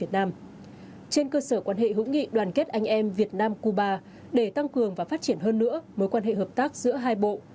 trên cơ sở quan hệ hữu nghị đoàn kết anh em việt nam cuba để tăng cường và phát triển hơn nữa mối quan hệ hợp tác giữa hai bộ